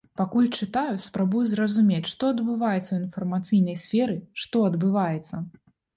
Пакуль чытаю, спрабую зразумець што адбываецца ў інфармацыйнай сферы, што адбываецца.